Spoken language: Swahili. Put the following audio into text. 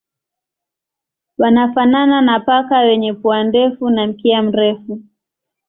Wanafanana na paka wenye pua ndefu na mkia mrefu.